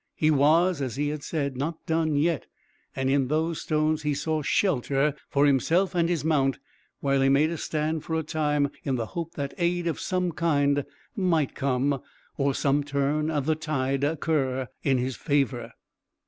He was, as he had said, not done yet, and in those stones he saw shelter for himself and his mount while he made a stand for a time in the hope that aid of some kind might come, or some turn of the tide occur in his favour.